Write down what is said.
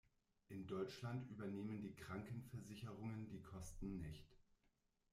In Deutschland übernehmen die Krankenversicherungen die Kosten nicht.